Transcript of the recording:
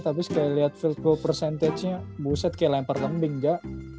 tapi sekali liat field goal percentage nya buset kayak lempar lembing ga